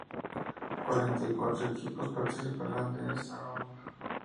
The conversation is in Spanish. Cuarenta y cuatro equipos participarán de esta ronda.